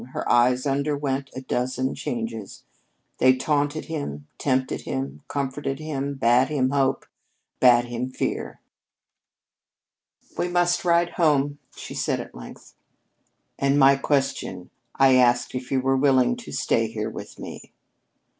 Her eyes underwent a dozen changes. They taunted him, tempted him, comforted him, bade him hope, bade him fear. "We must ride home," she said at length. "And my question? I asked you if you were willing to stay here with me?"